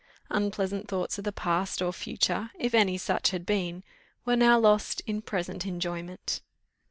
Unpleasant thoughts of the past or future, if any such had been, were now lost in present enjoyment.